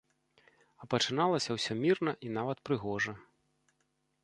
А пачыналася ўсё мірна і нават прыгожа.